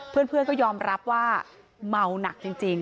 เพื่อนก็ยอมรับว่าเมาหนักจริง